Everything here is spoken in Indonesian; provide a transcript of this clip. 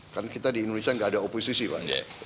kan kita di indonesia gak ada oposisi pak